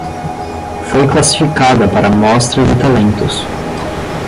Foi classificada para a mostra de talentos